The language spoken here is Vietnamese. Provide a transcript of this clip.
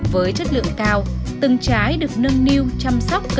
với chất lượng cao từng trái được nâng niu chăm sóc